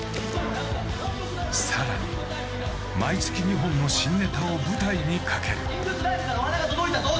さらに、毎月２本の新ネタを舞台にかける。